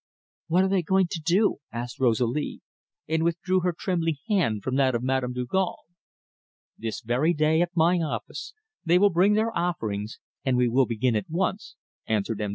"What are they going to do?" asked Rosalie, and withdrew her trembling hand from that of Madame Dugal. "This very day, at my office, they will bring their offerings, and we will begin at once," answered M.